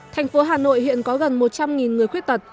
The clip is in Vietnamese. thành phố hà nội hiện có gần một trăm linh người khuyết tật